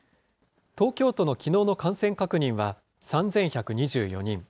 東京都のきのうの感染確認は３１２４人。